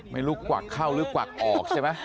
ไม่ลุกกวากเข้าลุกกวากออกใช่ไหม